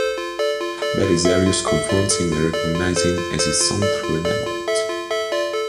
Belisarius confronts him and recognizes him as his son through an amulet.